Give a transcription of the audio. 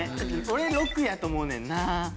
俺６やと思うねんな。